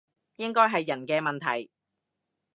應該係人嘅問題